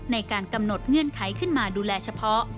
ในการกำหนดเงื่อนไขขึ้นมาดูแลเฉพาะ